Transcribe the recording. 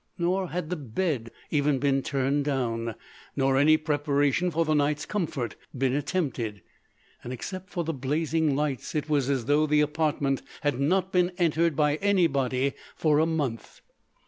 Nor had the bed even been turned down—nor any preparation for the night's comfort been attempted. And, except for the blazing lights, it was as though the apartment had not been entered by anybody for a month.